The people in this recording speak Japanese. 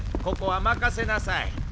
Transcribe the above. ここは任せなさい。